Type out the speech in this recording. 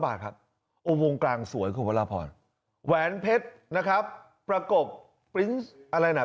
บาทครับองค์วงกลางสวยครับว่าราทรแหวนเพชรนะครับประกบอะไรนะ